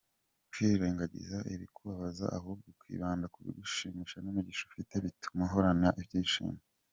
kwirengagiza ibikubabaza ahubwo ukibanda kubigushimisha n’imigisha ufite bituma uhorana ibyishimo.